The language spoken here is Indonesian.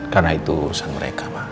karena itu urusan mereka ma